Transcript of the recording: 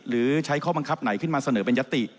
หรือใช้ข้อบังคับไหนขึ้นมาเสนอเป็นยติ